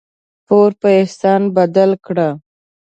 پور په احسان بدل کړه.